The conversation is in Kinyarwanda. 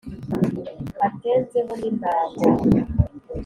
Atenze ho n'intango.